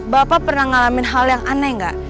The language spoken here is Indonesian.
bapak pernah ngalamin hal yang aneh nggak